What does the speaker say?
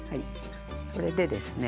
それでですね